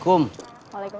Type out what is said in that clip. kamu gak assalamualaikum